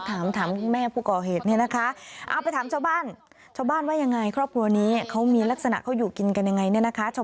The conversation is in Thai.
อ้าวแล้ว๖วันถ้าตกบันได๖วันก็ให้อยู่อย่างนั้นเหรอ